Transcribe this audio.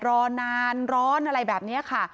รอนานร้อนอะไรแบบนี้ค่ะ